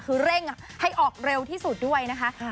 คือเร่งให้ออกเร็วที่สุดด้วยนะคะ